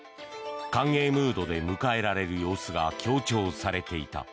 歓迎ムードで迎えられる様子が強調されていた。